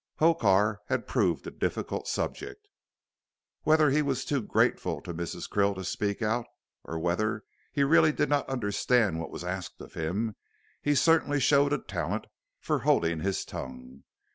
Hokar had proved a difficult subject. Whether he was too grateful to Mrs. Krill to speak out, or whether he really did not understand what was asked of him, he certainly showed a talent for holding his tongue.